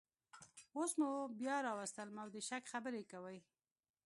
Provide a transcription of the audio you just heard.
اوس مو بیا راوستلم او د شک خبرې کوئ